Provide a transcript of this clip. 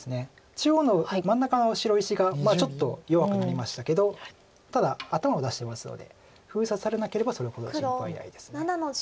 中央の真ん中の白石がちょっと弱くなりましたけどただ頭出してますので封鎖されなければそれほど心配ないです。